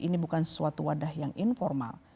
ini bukan sesuatu wadah yang informal